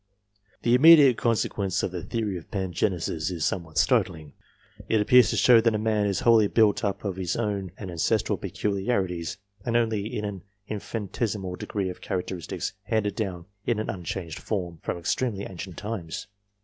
The immediate consequence of the theory of Pangenesis is somewhat startling. It appears to show that a man is wholly built up of his own and ancestral gmdmtiJd&s, and only in an infinitesimal degree of characteristics handed down in an unchanged form, from extremely ancient times.